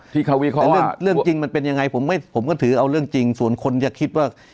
ที่เขาวิเคราะห์เรื่องจริงมันเป็นยังไงผมก็ถือเอาเรื่องจริงส่วนคนจะคิดว่า